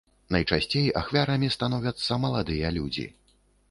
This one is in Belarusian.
Найчасцей ахвярамі становяцца маладыя людзі.